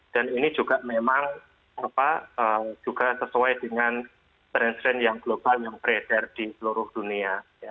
dan ini juga memang sesuai dengan trend trend yang global yang beredar di seluruh dunia